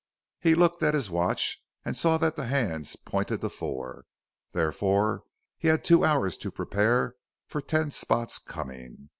He looked at his watch and saw that the hands pointed to four. Therefore he had two hours to prepare for Ten Spot's coming.